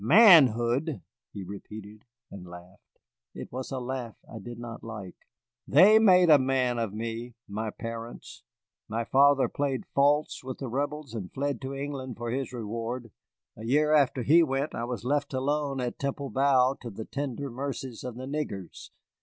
"Manhood!" he repeated, and laughed. It was a laugh that I did not like. "They made a man of me, my parents. My father played false with the Rebels and fled to England for his reward. A year after he went I was left alone at Temple Bow to the tender mercies of the niggers.